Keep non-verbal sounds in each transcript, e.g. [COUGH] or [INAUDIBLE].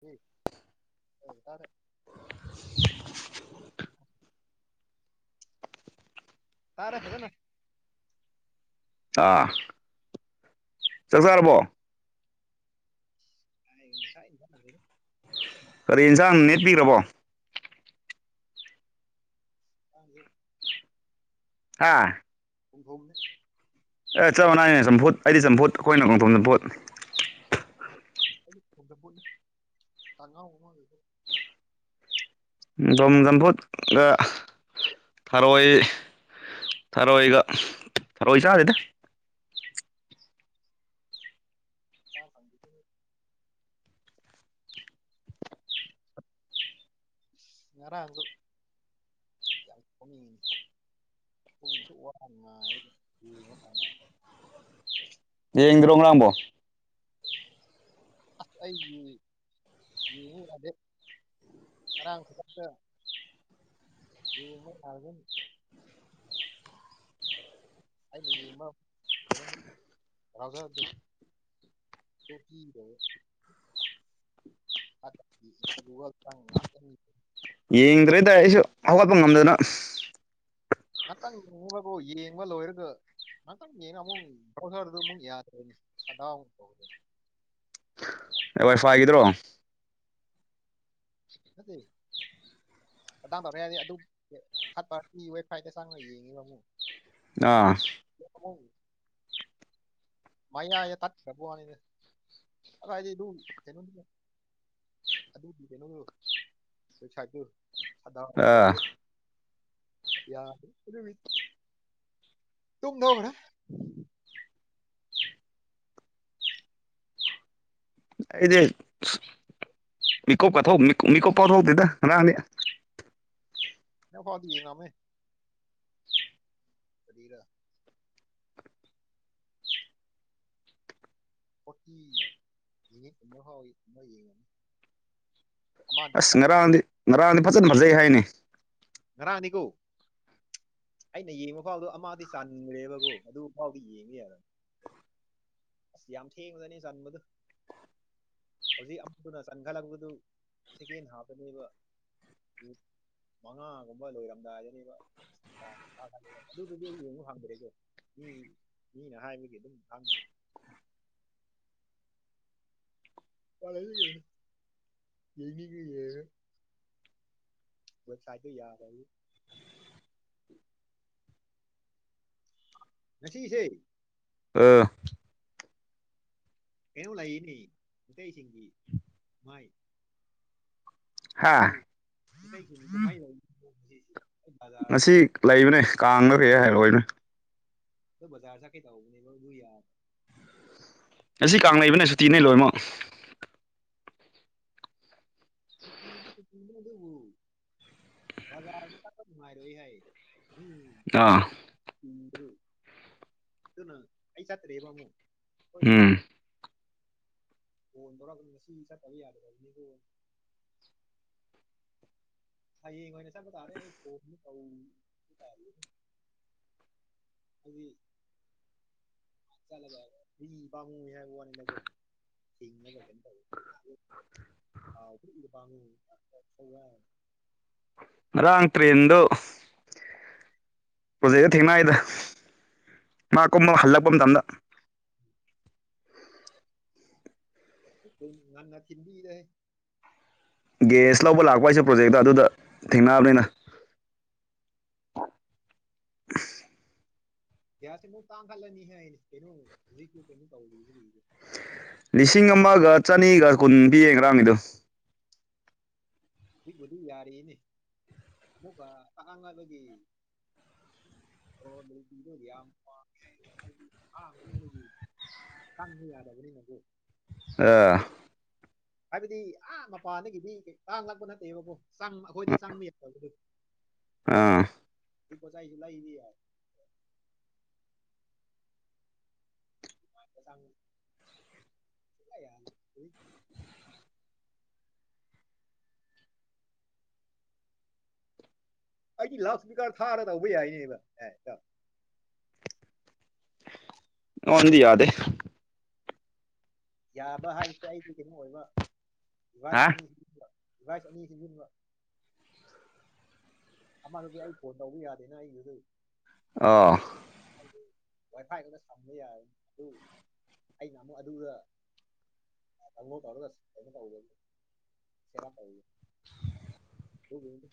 [UNINTELLIGIBLE] ꯇꯥꯔꯦ [UNINTELLIGIBLE] ꯇꯥꯔꯦ ꯐꯖꯅ ꯑꯥ ꯆꯥꯛ ꯆꯥꯔꯕꯣ? ꯍꯥꯏ ꯉꯁꯥꯏꯗꯤ ꯀꯔꯤ ꯌꯦꯟꯁꯥꯡ ꯅꯦꯠꯄꯤꯔꯕꯣ? ꯍꯂꯨ ꯍꯥ [UNINTELLIGIBLE] ꯑꯦ ꯆꯞ ꯃꯥꯟꯅꯥꯏꯅꯦ ꯆꯝꯐꯨꯠ ꯑꯩꯗꯤ ꯆꯝꯐꯨꯠ ꯑꯩꯈꯣꯏꯅ ꯉꯣꯡꯊꯣꯝ ꯆꯝꯐꯨꯠ [UNINTELLIGIBLE] ꯗꯣꯝ ꯆꯝꯕꯨꯠꯒ ꯊꯔꯣꯏ ꯊꯔꯣꯏꯒ ꯊꯔꯣꯏ ꯆꯥꯗꯦꯗ [UNINTELLIGIBLE] [INAUDIBLE] ꯉꯔꯥꯡꯗꯨ [UNINTELLIGIBLE] ꯌꯦꯡꯗ꯭ꯔꯣ ꯉꯔꯥꯡ ꯕꯣ꯫ ꯑꯁ ꯑꯩ ꯌꯦꯡ ꯌꯥꯗꯦ ꯉꯔꯥꯡ ꯈꯨꯗꯛꯇ ꯫ [UNINTELLIGIBLE] ꯑꯩꯅ ꯌꯦꯡꯕ ꯀꯩꯅꯣꯅꯤ ꯔꯥꯎꯖꯔ ꯑꯗꯨ ꯗꯣꯕꯤ ꯒꯥꯏ [UNINTELLIGIBLE] ꯑꯗꯨꯝ ꯌꯦꯡꯗ꯭ꯔꯦꯗ ꯑꯩꯁꯨ ꯍꯧꯒꯠꯄ ꯉꯝꯗꯅ ꯉꯥꯛꯇꯪ [UNINTELLIGIBLE] ꯌꯦꯡꯕ ꯂꯣꯏꯔꯒ ꯉꯥꯇꯪ ꯌꯦꯡꯉ ꯑꯃꯨꯛ ꯕꯔꯗꯨ ꯑꯃꯨꯛ ꯌꯥꯗꯦꯁꯠ ꯗꯥꯎꯟ ꯑꯃꯨꯛ [UNINTELLIGIBLE] ꯑꯦ ꯋꯥꯏ ꯐꯥꯏꯒꯤꯗ꯭ꯔꯣ ꯅꯠꯇꯦ ꯑꯗꯥ ꯇꯧꯔꯦ ꯍꯥꯏꯗꯤ ꯑꯗꯨ ꯊꯔꯠ ꯄꯥꯔꯇꯤ ꯋꯦꯕ ꯁꯥꯏꯠꯇ ꯆꯪꯉ ꯌꯦꯡꯉꯤꯕ ꯑꯃꯨꯛ ꯑꯥ [UNINTELLIGIBLE] ꯃꯌꯥꯏꯗ ꯇꯠꯈ꯭ꯔꯕ꯭ꯋꯥꯅꯤꯗ ꯀꯗꯥꯏꯗꯩ ꯑꯗꯨꯝ ꯑꯗꯨꯗꯤ ꯀꯩꯅꯣ ꯑꯩꯩ ꯁꯥꯏꯗꯨ ꯁꯗꯥꯎꯟ ꯑꯥ ꯇꯧꯕ ꯌꯥꯗꯦ ꯑꯗꯨꯒꯤ ꯇꯨꯝꯅꯒ꯭ꯔꯦ ꯑꯩꯗꯤ ꯃꯤꯀꯣꯄ ꯃꯤ ꯃꯤꯀꯣꯄꯥꯎ ꯊꯣꯛꯇꯦꯗ ꯉꯔꯥꯡꯗꯤ ꯅ ꯐꯥꯎꯗꯤ ꯌꯦꯡꯉꯝꯃꯦ ꯀꯔꯤꯔ ꯑꯣꯇꯤ ꯃꯤꯅꯤꯠꯀꯨꯝꯕ ꯍꯥꯎ ꯑꯃ ꯌꯦꯡꯉꯅꯤ꯫ ꯑꯁ ꯉꯔꯥꯡꯗꯤ ꯉꯔꯥꯡꯗꯤ ꯐꯖꯅ ꯐꯖꯩ ꯍꯥꯏꯅꯦ ꯉꯔꯥꯅꯤꯀꯣ ꯑꯩꯅ ꯌꯦꯡꯕ ꯐꯥꯎꯗꯣ ꯑꯃꯗꯤ ꯆꯟꯈ꯭ꯔꯦꯕꯀꯣ ꯑꯗꯨ ꯐꯥꯎꯗꯤ ꯌꯦꯡꯉꯦ ꯌꯥꯔ ꯑꯁ ꯌꯥꯝ ꯊꯦꯡꯂꯅꯤ ꯆꯟꯕꯗꯨ ꯍꯧꯖꯤꯛ ꯑꯃꯗꯨꯅ ꯆꯟꯈꯠꯂꯛꯄꯗꯨ ꯁꯦꯀꯦꯟ ꯍꯥꯞꯇꯅꯦꯕ ꯃꯉꯥꯒꯨꯝꯕ ꯂꯣꯏꯔꯝꯗꯥꯏꯗꯔꯤꯕ [UNINTELLIGIBLE] ꯑꯗꯨꯗꯨꯗꯤ ꯌꯦꯡ ꯍꯥꯡꯒꯔꯦꯒ ꯃꯤ ꯃꯤꯅ ꯍꯥꯏꯕꯒꯤ ꯑꯗꯨꯝ ꯈꯪꯕ ꯆꯂꯒꯅꯦ ꯌꯦꯡꯅꯤꯡ ꯌꯦꯡꯔꯒ ꯋꯁꯥꯏꯗꯤ ꯌꯥꯕꯒꯤ ꯉꯁꯤꯁꯦ ꯑꯥ ꯀꯩꯅꯣ ꯂꯩꯥꯔꯤ ꯃꯤꯇꯩꯁꯤꯡꯒꯤ ꯃꯥꯏ ꯍꯥ [UNINTELLIGIBLE] ꯉꯁꯤ ꯆꯠꯀꯦ ꯂꯩꯕꯅꯦ ꯀꯥꯡꯂꯥ ꯍꯥꯏꯔꯛꯑꯣꯏꯅꯦ꯫ ꯕꯖꯔ ꯆꯠ ꯀꯦ ꯇꯧꯕꯅꯦꯕꯥ ꯑꯗꯨ ꯌꯥꯔ ꯉꯁꯤ ꯀꯥꯡ ꯂꯩꯕꯅꯦ ꯁꯨꯇꯤꯅꯦ ꯂꯣꯏꯃꯛ ꯁꯨꯇꯤꯗꯤ ꯁꯨꯇꯤꯅꯤ ꯑꯗꯨꯕꯨ ꯕꯖꯥꯗꯤ ꯐꯖꯟ ꯅꯨꯡꯉꯥꯏꯔꯦ ꯍꯥꯏ ꯎꯝ ꯑꯥ ꯑꯩ ꯆꯠꯇꯔꯦꯕ ꯑꯃꯨꯛ꯫ ꯍꯣꯏ ꯁꯤ ꯎꯝ ꯐꯣꯟ ꯇꯧꯔꯒ ꯉꯁꯤ ꯆꯠꯇꯕ ꯌꯥꯗꯕꯖꯤꯕꯨ ꯍꯥꯏꯌꯦꯡ ꯑꯣꯏꯅ ꯆꯠꯄ ꯇꯥꯔꯦ ꯑꯩ [UNINTELLIGIBLE] ꯑꯩꯗꯤ ꯆꯠꯂꯒꯥ ꯍꯨꯏ ꯄꯥꯃꯨꯏ ꯍꯥꯏꯕ ꯑꯥꯎ ꯉꯔꯥꯡ ꯇ꯭ꯔꯦꯟꯗꯨ ꯍꯧꯖꯤꯛ ꯊꯦꯡꯅꯩꯗ ꯃꯥ ꯀꯨꯝꯕ ꯍꯜꯂꯛꯄ ꯃꯇꯝꯗ ꯉꯟꯅ ꯊꯤꯟꯕꯤꯔꯦ ꯒ꯭ꯌꯥꯁ ꯂꯧꯕ ꯂꯥꯛꯄ ꯍꯥꯏꯁꯦ ꯄ꯭ꯔꯣꯖꯦꯛꯇ ꯑꯗꯨꯗ ꯊꯦꯡꯅꯑꯕꯅꯤꯅ ꯒ꯭ꯌꯥꯁ ꯑꯃꯨꯛ ꯇꯥꯡꯈꯠꯂꯅꯤ ꯍꯥꯏ ꯀꯩꯅꯣ ꯍꯧꯖꯤꯛꯇꯨ ꯀꯩꯅꯣ ꯇꯩꯔꯤꯕꯒꯤ ꯂꯤꯁꯤꯡ ꯑꯃꯒ ꯆꯅꯤꯒ ꯀꯨꯟ ꯄꯤꯌꯦ ꯉꯔꯥꯡꯒꯤꯗꯣ꯫ ꯁꯤꯕꯨꯗꯤ ꯌꯥꯔꯤꯅꯦ ꯑꯃꯨꯛꯀ ꯑꯉꯥꯡ ꯑꯗꯨꯒꯤ ꯑꯣ ꯂꯦꯝꯕꯤꯗꯣ ꯌꯥꯝ ꯄꯥꯝꯃꯦ ꯍꯥꯏꯔ ꯇꯪꯗꯤ ꯌꯥꯗꯕꯅꯤꯅ ꯑꯗꯨ ꯑ ꯍꯥꯏꯕꯗꯤ ꯑ ꯃꯄꯥꯟꯗꯒꯤꯗꯤ ꯀꯩ ꯇꯥꯡ ꯂꯥꯛꯄ ꯅꯠꯇꯦꯕꯀꯣ ꯆꯪ ꯑꯩꯈꯣꯏꯗ ꯆꯪꯕ ꯌꯥꯕ ꯑꯥ ꯄꯣꯋꯥꯏꯖꯨ ꯂꯩꯔꯤꯌꯣ ꯆ ꯌꯥ ꯑꯩꯗꯤ ꯂꯥꯎ ꯏꯁꯄꯤꯀꯥꯔ ꯊꯥꯔꯒ ꯇꯧꯕ ꯌꯥꯏꯅꯦꯕ ꯑꯦ ꯉꯣꯟꯗꯤ ꯌꯥꯗꯦ ꯌꯥꯕ ꯍꯥꯏꯖ ꯑꯩꯗꯤ ꯀꯩꯅꯣ ꯑꯣꯏꯕ ꯍꯥ ꯗꯤꯚꯥꯏꯁ ꯑꯅꯤ ꯁꯤꯖꯤꯟꯕ ꯗꯤꯚꯥꯏꯁ ꯑꯅꯤ ꯁꯤꯖꯤꯟꯕ ꯑꯃꯗꯨꯗꯤ ꯑꯩ ꯐꯣꯟ ꯇꯧꯕ ꯌꯥꯗꯦꯅ ꯑꯩꯒꯤꯗꯤ ꯑꯣ ꯋꯥꯏꯐꯥꯏ ꯈꯔ ꯁꯝꯕ ꯌꯥꯔ ꯗꯤ ꯑꯩꯅ ꯑꯃꯨꯛ ꯑꯗꯨꯗ ꯪꯉ ꯇꯧꯔꯗ ꯀ ꯇꯧꯗ ꯁꯔ ꯄꯒ ꯑꯗꯨꯒꯤ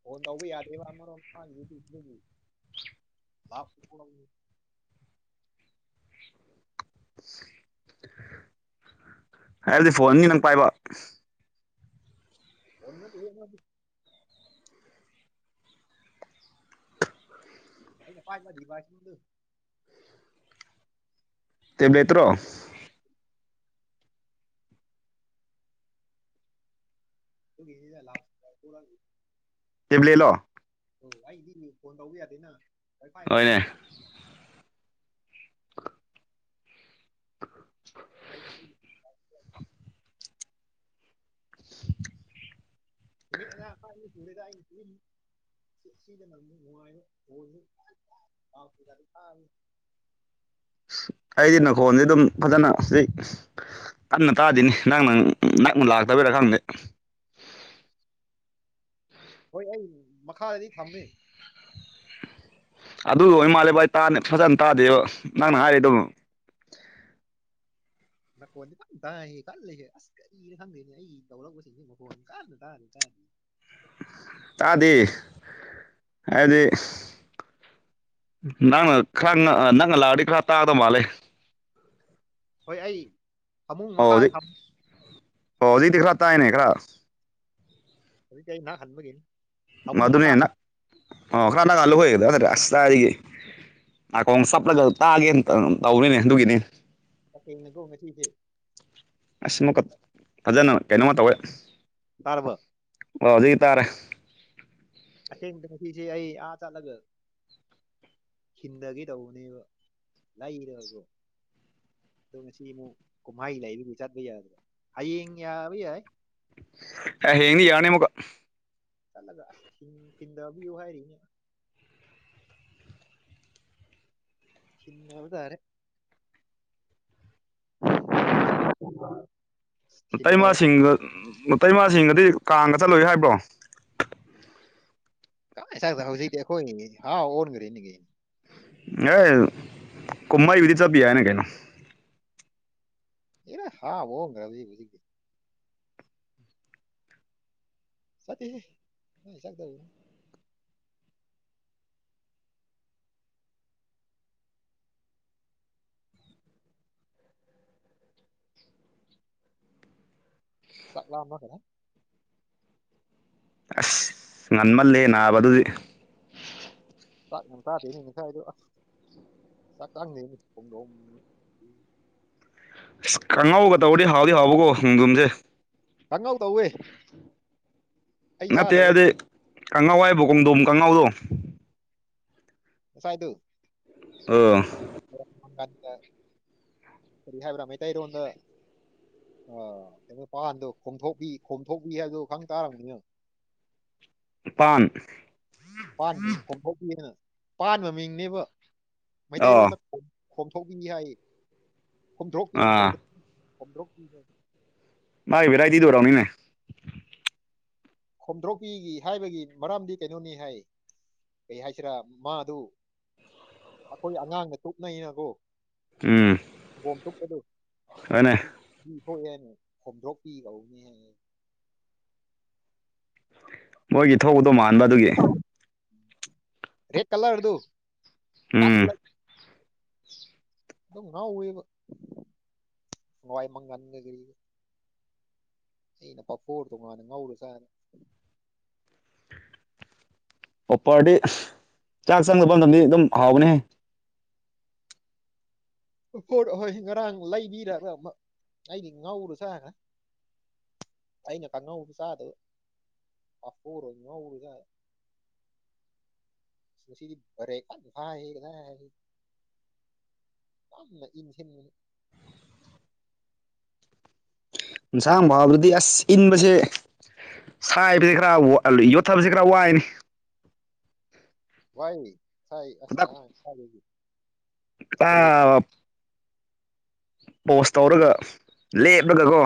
ꯐꯣꯟ ꯇꯧꯕ ꯌꯥꯗꯦꯕ ꯑꯃꯔꯣꯝ ꯃꯥꯒꯤꯗꯨꯗꯤ ꯑꯗꯨꯒꯤ ꯆꯥꯄ ꯀ ꯍꯥꯏꯕꯗꯤ ꯐꯣꯟꯅꯤ ꯅꯪ ꯄꯥꯏꯕ ꯑꯣ ꯑꯩꯅ ꯄ ꯗꯤꯕꯥꯁꯗ ꯇꯦꯕ꯭ꯂꯦꯇ꯭ꯔꯣ [UNINTELLIGIBLE] ꯇꯦꯕ꯭ꯂꯦꯠꯂꯣ ꯎꯝ ꯑꯩꯗꯤ ꯃꯤꯁꯀꯣꯜ ꯇꯧꯕ ꯌꯥꯗꯦꯅ ꯀꯔꯤ ꯍꯣꯏꯅꯦ ꯐꯥꯏꯈ꯭ꯔꯗꯅꯤ [INAUDIBLE] [UNINTELLIGIBLE] ꯁꯗ ꯍꯥꯏ ꯁꯤꯗ ꯅꯨꯡꯉꯥꯏꯅ ꯑꯩꯗꯤ ꯅꯅꯥꯈꯣꯟꯗꯤ ꯑꯗꯨꯝ ꯐꯖꯅ ꯍꯧꯖꯤꯛ ꯀꯟꯅ ꯇꯥꯗꯤꯅꯤ ꯅꯪ ꯅꯪ ꯅꯪꯅ ꯂꯥꯛꯇꯕꯔꯥ ꯈꯪꯗꯦ ꯍꯣꯏ ꯑꯩ ꯃꯈꯥꯗꯗꯤ ꯊꯝꯃꯤ ꯑꯗꯨꯒ ꯑꯣꯏꯅ ꯃꯥꯜꯂꯦ ꯚꯥꯏ ꯇꯥ ꯐꯖꯅ ꯇꯥꯗꯦꯕ ꯅꯪꯅ ꯍꯥꯏꯔꯦꯗꯕꯅꯣ ꯃꯈꯣꯟꯗꯤ ꯀꯟꯅ ꯇꯥꯏꯌꯦ ꯈꯜꯜꯂꯤꯁꯦ ꯑꯁ ꯀꯔꯤꯅꯣ ꯈꯪꯗꯦꯅꯦ ꯑꯩ ꯂꯧꯧꯔꯛꯎꯁꯤꯅꯦ ꯃꯈꯣꯟ ꯀꯟꯅ ꯇꯥꯔꯤ ꯇꯥꯔꯤ ꯇꯥꯗꯤ ꯍꯥꯏꯕꯗꯤ ꯅꯪꯅ ꯈꯔ ꯅꯪꯅ ꯂꯥꯛꯑꯗꯤ ꯈꯔ ꯇꯥꯗꯕ ꯃꯥꯜꯂꯦ ꯍꯣꯏ ꯑꯩ ꯐꯃꯨꯡ ꯃꯈꯥꯗ ꯑꯣꯖꯤ ꯊꯝ ꯑꯣꯖꯤꯗꯤ ꯈꯂ ꯇꯑꯅꯦ ꯈꯔ ꯀ ꯀꯩ ꯅꯥ ꯈꯥꯟꯕꯒꯦꯅꯤ ꯃꯗꯨꯅꯦ ꯅ ꯑꯣ ꯈꯔ ꯅꯅꯥꯀ ꯂꯧ ꯍꯒꯦꯗ ꯍꯥꯏꯇꯥꯔꯦ ꯑꯁ ꯇꯒꯤ ꯅꯥꯀꯣꯡ ꯆꯞꯂꯒ ꯇꯥꯒꯦꯅ ꯇꯧꯔꯤꯅꯦ ꯑꯗꯨꯒꯤꯅꯤ ꯀꯈꯦꯡꯅꯗꯣꯡ ꯉ ꯁꯤꯁꯦ ꯑꯁ ꯑꯃꯨꯛꯀ ꯐꯖꯅ ꯀꯩꯅꯣꯝꯃ ꯇꯧꯋꯦ ꯇꯥꯔꯕꯣ ꯑꯣ ꯍꯧꯖꯤꯛꯇꯥꯔꯦ ꯑꯆꯦꯡꯁꯤ ꯑꯩ ꯑꯥ ꯆꯂꯒ ꯈꯤꯟꯊꯒꯦ ꯇꯧꯕꯅꯦꯕ ꯂꯩꯀꯣ ꯑꯗꯣ ꯉꯁꯤ ꯑꯃꯨꯛ ꯀꯨꯝꯍꯩ ꯂꯩꯕꯒꯤ ꯆꯠꯄ ꯌꯥꯗ꯭ꯔ ꯍꯌꯦꯡ ꯌꯥꯕ ꯌꯥꯏ ꯑ ꯍꯦꯅꯤ ꯌꯥꯅꯤꯦ ꯃꯨꯀ ꯆꯠꯂꯒ ꯑꯁ ꯆꯤꯟꯗꯕꯤꯌꯨ ꯍꯥꯏꯔꯤꯅꯦ ꯍꯟꯅꯕꯗꯥꯔꯦ [INAUDIBLE] ꯊꯤꯟꯗꯔꯗꯤ ꯇꯩꯃꯁꯤꯡꯒꯇꯩꯃꯁꯤꯡꯒꯗꯤ ꯀꯥꯡꯒ ꯆꯠꯂꯣꯏꯏ ꯍꯥꯏꯕ꯭ꯔꯣ ꯀꯥꯏ ꯁ ꯍꯧꯖꯤꯛꯇꯤ ꯑꯩꯈꯣꯏ ꯍꯥꯎ ꯑꯣꯟꯈ꯭ꯔꯦꯅꯤꯒꯤ ꯑ ꯃꯥꯏꯕꯤꯗꯤ ꯆꯞꯄꯤ ꯌꯥꯏꯅ ꯀꯩꯅꯣ ꯑꯦꯅꯦ ꯍꯥꯥꯎꯕꯣꯡꯒ꯭ꯔꯖꯤꯛ ꯍꯧꯖꯤꯛ ꯁꯇ ꯆꯗꯕꯨ ꯆꯠꯂꯝ ꯀꯔ ꯑꯁ ꯉꯟꯃꯜꯂꯦ ꯅꯥꯕ ꯑꯗꯨꯗꯤ ꯆꯥꯛ ꯌꯥꯝ ꯇꯥꯗꯦꯅꯦꯁꯥꯏꯗꯣ ꯑꯁ ꯆꯥꯛ ꯆꯪꯗꯦꯅꯤ ꯍꯣꯡꯗꯣꯡ ꯎ ꯑꯁ ꯀꯥꯡꯉꯧꯒ ꯇꯧꯔꯗꯤ ꯍꯥꯎꯗꯤ ꯍꯥꯎꯕꯀꯣ ꯈꯣꯡꯗꯣꯝꯁꯦ ꯀꯪꯍꯧ ꯇꯧꯋꯦ ꯑꯩ ꯅꯠꯇꯦ ꯆꯥꯗꯕ ꯍꯥꯏꯗꯤ ꯀꯪꯉꯧ ꯍꯥꯏꯕ ꯀꯣꯡꯗꯣꯝ ꯀꯥꯡꯉꯧꯗꯣ ꯉꯥꯁꯥꯏꯗꯨ ꯑ ꯗ ꯀꯔꯤ ꯍꯥꯏꯕ꯭ꯔꯥ ꯃꯩꯇꯩꯔꯣꯟꯗ ꯑ ꯀꯩꯅꯣ ꯄꯥꯟꯗꯣ ꯈꯣꯝꯊꯣꯛꯄꯤ ꯈꯣꯝꯊꯣꯛꯄꯤ ꯍꯥꯏꯕꯗꯣ ꯈꯪ ꯇꯥꯔꯕꯅꯤꯅ ꯄꯥꯟ ꯃꯤꯡ ꯈꯣꯝꯊꯣꯛꯄꯤꯅ ꯄꯥꯟꯕ ꯃꯃꯤꯡꯅꯦꯕ ꯑꯣ ꯃꯩꯇꯩꯔꯣꯟꯗ ꯍꯣꯝꯊꯣꯛꯄꯤꯅꯤ ꯍꯥꯏ ꯈꯣꯝꯊꯣꯛꯄꯤ ꯑꯥ ꯈꯣꯝꯊꯣꯛꯄꯤꯅꯤ ꯃꯥꯏ ꯚꯦꯔꯥꯏꯇꯤꯗꯣ ꯑꯣꯏꯔꯝꯅꯤꯅꯦ ꯈꯣꯝꯊꯣꯛꯄꯤꯈꯤ ꯍꯥꯏꯕꯒꯤ ꯃꯔꯝꯗꯤ ꯀꯩꯅꯣꯅꯤ ꯍꯥꯏ ꯀꯩ ꯍꯥꯏꯁꯤꯔꯥ ꯃꯥꯗꯨ ꯑꯩꯈꯣꯏ ꯑꯉꯥꯡꯗ ꯇꯨꯞꯅꯩꯅꯀꯣ ꯎꯝ ꯝꯨ ꯀꯗꯣ ꯍꯣꯏꯅꯦ ꯄꯤ ꯊꯣꯛꯑꯦꯅꯦ ꯈꯣꯝꯗ꯭ꯔꯣꯛꯄꯤꯈꯧꯅꯦ ꯃꯣꯏꯒꯤ ꯊꯧꯕꯗꯣ ꯃꯥꯟꯕ ꯑꯗꯨꯒꯤ ꯔꯦꯠ ꯀꯂ꯭ꯔ ꯑꯗꯨ ꯎꯝ ꯑꯗꯨꯝ ꯉꯥꯎꯋꯦꯕ ꯍꯋꯥꯏ ꯃꯪꯒꯟꯒ ꯀ ꯑꯩꯅ ꯄꯥꯐꯣꯔ ꯇꯣꯡꯉꯥꯟꯅꯤ ꯉꯧꯔꯨꯁꯥꯅꯤ ꯑꯣꯄꯔꯗꯤ ꯆꯥꯛ ꯆꯪꯗꯕ ꯃꯇꯝꯗꯤ ꯑꯗꯨꯝ ꯍꯥꯎꯒꯅꯤ ꯄꯣꯠ ꯍꯣꯏ ꯉꯔꯥꯡ ꯂꯩꯕꯤꯔꯒ ꯑꯩꯗꯤ ꯉꯥꯎꯔꯨ ꯁꯥꯥꯅ ꯑꯩꯅ ꯀꯪꯉꯧ ꯆꯥꯗꯕ ꯄꯐꯣꯔ ꯑꯣꯏꯅ ꯉꯧꯔ ꯆꯥꯏ ꯉꯁꯤꯗꯤ [UNINTELLIGIBLE] ꯌꯥꯝꯅ ꯏꯟꯁꯤꯅꯤ ꯏꯟꯁꯥꯡ ꯐꯥꯎꯕꯗꯤ ꯑꯁ ꯏꯟꯕꯁꯦ ꯁꯥꯏꯕꯁꯤ ꯈꯔ ꯌꯣꯠꯊꯕꯁꯤ ꯈꯔ ꯋꯥꯏꯅꯦ ꯋꯥꯏ ꯊꯥꯏ ꯈꯨꯗꯛ ꯑꯁ ꯈꯨꯗꯥ [UNINTELLIGIBLE] ꯄꯣꯁ ꯇꯧꯔꯒ ꯂꯦꯞꯂꯒꯀꯣ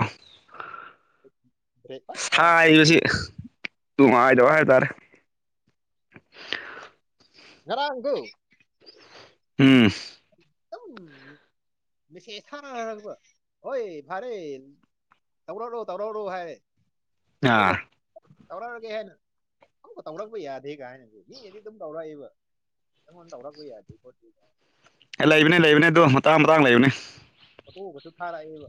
ꯕ꯭ꯔꯦꯛ ꯐꯖꯅ ꯐꯥꯏ ꯁꯥꯏꯕꯁꯤ ꯅꯨꯡꯉꯥꯏꯇꯕ ꯍꯥꯏꯇꯥꯔꯦ ꯉꯔꯥꯡꯗꯨ ꯎꯝ ꯅꯨꯄꯤ ꯗꯨꯝ [UNINTELLIGIBLE] ꯑꯣ ꯐꯔꯦ ꯇꯧꯔꯛꯔꯣ ꯇꯧꯔꯛꯔꯣ ꯍꯥꯏ ꯑꯥ ꯑꯗꯨꯒ ꯇꯧꯔꯛꯑꯒꯦ ꯍꯥꯏꯅ ꯇꯧꯔꯛꯄ ꯌꯥꯗ ꯗꯦ ꯀꯥꯏꯅ ꯃꯤꯅꯗꯤ ꯑꯗꯨꯝ ꯇꯧꯔꯛꯏꯕ ꯅꯪꯉꯣꯟꯗ ꯇꯧꯔꯛꯄ ꯌꯥꯗꯦ ꯈꯣꯠꯇ ꯑꯦ ꯂꯩꯕꯅꯤ ꯂꯩꯕꯅꯤ ꯑꯗꯣ ꯃꯇꯥꯡ ꯃꯇꯥꯡ ꯂꯩꯕꯅꯤ ꯐꯣꯇꯣꯒꯁꯨ ꯊꯥꯔꯛꯑꯦꯕ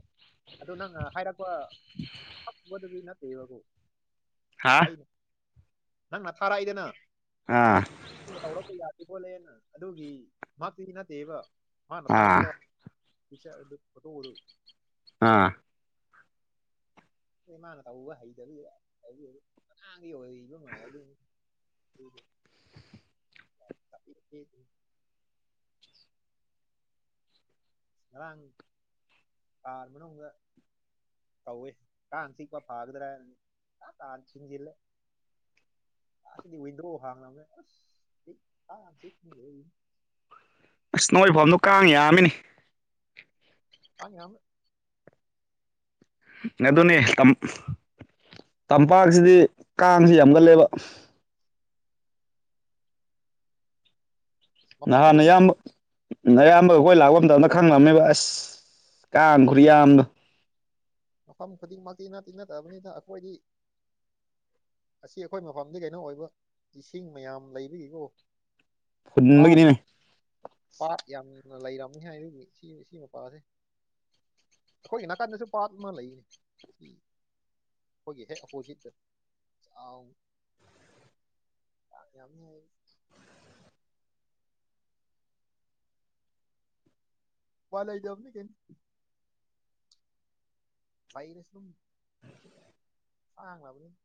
ꯑꯗꯨ ꯅꯪꯅ ꯍꯥꯏꯔꯛꯄꯕꯗꯨꯗꯤ ꯅꯠꯇꯦꯕꯀꯣ ꯍꯥ ꯑꯩꯅ ꯅꯪꯅ ꯊꯥꯔꯛꯏꯗꯅ ꯑꯥ ꯁꯤꯅ ꯇꯧꯔꯛꯄ ꯌꯥꯗꯦ ꯈꯣꯠꯂꯦꯅ ꯑꯗꯨꯒꯤ ꯃꯍꯥꯛꯇꯨꯗꯤ ꯅꯠꯇꯦꯕ ꯃꯥꯅ ꯑꯥ ꯊꯥꯔꯛꯄ ꯄꯤꯛꯆꯔꯗꯨ ꯐꯣꯇꯣꯗꯨ ꯑꯥ ꯑ ꯃꯥꯅ ꯇꯧꯕ ꯍꯩꯗꯕ ꯑꯉꯥꯡꯒꯤ ꯑꯣꯏꯕ ꯃꯥ ꯑꯗꯨꯅꯤ [INAUDIBLE] ꯉꯔꯥꯡ ꯀꯥꯔ ꯃꯅꯨꯡꯗ ꯀꯧꯋꯦ ꯀꯥꯡ ꯆꯤꯛꯄ ꯐꯒꯗ꯭ꯔ ꯐꯒꯗ꯭ꯔ ꯍꯥꯏꯔ ꯀꯥꯟ [UNINTELLIGIBLE] ꯉꯁꯤꯗꯤ ꯋꯤꯟꯗ꯭ꯔꯣ ꯍꯥꯡꯂꯥꯃꯦ ꯑꯁ ꯅꯣꯏꯐꯝꯗꯨꯣ ꯀꯥꯡ ꯌꯥꯝꯃꯤꯅꯤ ꯑꯩ ꯌꯥꯝ ꯀꯥꯡ ꯑꯗꯨꯅꯦ ꯇꯝꯄꯥꯛꯁꯤꯗꯤ ꯀꯥꯡꯁꯤ ꯌꯥꯝꯒꯜꯂꯦꯕ ꯃꯐꯝ ꯅꯍꯥꯟ ꯅ ꯈꯨꯗꯤꯡ ꯌꯥꯝ ꯅꯌꯥꯝꯕ ꯑꯩꯈꯣꯏ ꯂꯥꯛꯄ ꯃꯇꯝꯗ ꯈꯪꯂꯝꯃꯦꯕ ꯑꯁ ꯀꯥꯡ ꯈꯨꯌꯥꯝꯗꯣ ꯃꯐꯝ ꯈꯨꯗꯤꯡꯃꯛꯇꯤ ꯅ ꯇꯤ ꯅꯗꯕꯅꯤꯅ ꯑꯩꯈꯣꯏꯗꯤ ꯑꯁꯤ ꯑꯩꯈꯣꯏ ꯃꯐꯝꯗꯤ ꯀꯩꯅꯣ ꯑꯣꯏꯕ ꯏꯁꯤꯡ ꯃꯌꯥꯝ ꯂꯩꯕꯒꯤꯀꯣ ꯄꯥꯠ ꯐꯨꯠꯅꯤꯡꯒꯤꯅꯅꯦꯅꯦ ꯄꯥꯠ ꯌꯥꯝꯅ ꯂꯩꯔꯝꯅꯤ ꯍꯥꯏ ꯑꯗꯨꯅꯤ ꯁꯤ ꯁꯤ ꯃꯄꯥꯁꯦ ꯑꯩꯈꯣꯏꯒꯤ ꯅꯥꯀꯟꯗꯁꯨ ꯄꯥꯠ ꯑꯃ ꯂꯩꯌꯦ ꯑꯩꯈꯣꯏꯒꯤ ꯍꯦꯛ ꯑꯣꯄꯣꯖꯤꯠꯇ ꯦ ꯌꯥꯝꯅ ꯋꯥꯣꯏꯜ ꯂꯩ ꯍꯥꯏꯖꯕꯅ ꯀꯩ [UNINTELLIGIBLE] ꯋꯥꯩꯔꯁꯨꯝ [UNINTELLIGIBLE]